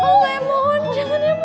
pak saya mohon jangan ya